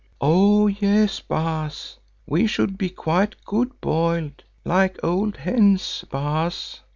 "Oh! yes, Baas, we should be quite good boiled—like old hens, Baas.